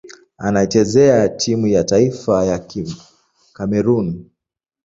Anachezea timu ya taifa ya Kamerun.